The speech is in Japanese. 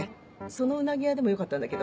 そのうなぎ屋でもよかったんだけど。